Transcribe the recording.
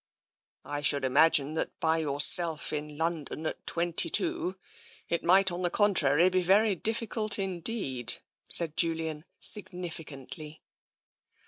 " I should imagine that by yourself, in London, at twenty two, it might, on the contrary, be very difficult indeed," said Julian significantly.